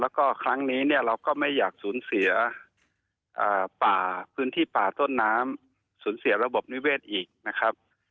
แล้วก็ครั้งนี้เนี่ยเราก็ไม่อยากสูญเสียป่าพื้นที่ป่าต้นน้ำสูญเสียระบบนิเวศอีกนะครับ